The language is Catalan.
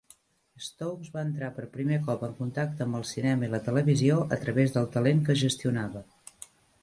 Stokes va entrar per primer cop en contacte amb el cinema i la televisió a través del talent que gestionava.